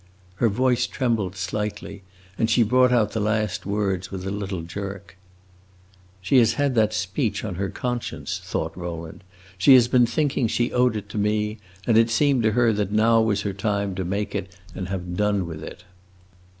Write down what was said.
Her voice trembled slightly, and she brought out the last words with a little jerk. "She has had that speech on her conscience," thought Rowland; "she has been thinking she owed it to me, and it seemed to her that now was her time to make it and have done with it."